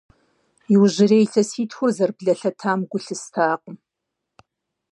Иужьрей илъэситхур зэрыблэлъэтам гу лъыстакъым.